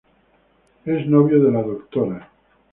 Es novio de la Dra.